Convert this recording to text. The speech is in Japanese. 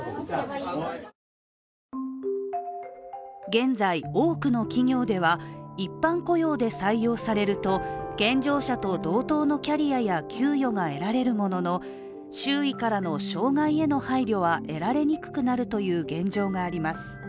現在、多くの企業では一般雇用で採用されると健常者と同等のキャリアや給与が得られるものの周囲からの障害への配慮はえられにくくなるという現状があります。